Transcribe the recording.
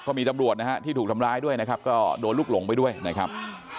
แล้วมีตำรวจที่ถูกถามร้ายด้วยนะครับโดดโลกหลงไปด้วยนะครับ